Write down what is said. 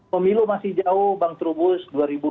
pemilu masih jauh bank trubus